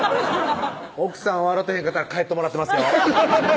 奥さん笑てへんかったら帰ってもらってますよ